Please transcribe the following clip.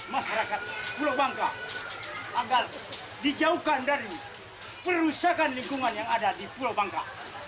masyarakat pulau bangka agar dijauhkan dari perusakan lingkungan yang ada di pulau bangka